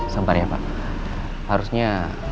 sabar ya pak harusnya